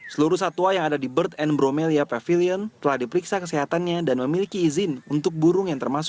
seluruh satwa yang ada di bird and bromelia pavilion telah diperiksa kesehatannya dan memiliki izin untuk burung yang terbaik